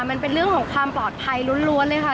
มันเป็นเรื่องของความปลอดภัยล้วนเลยค่ะ